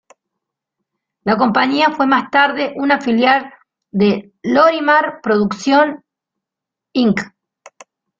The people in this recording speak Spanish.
La compañía fue más tarde una filial de Lorimar Productions Inc.